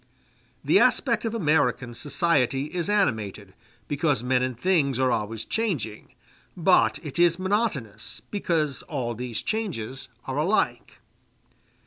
The aspect of American society is animated, because men and things are always changing; but it is monotonous, because all these changes are alike.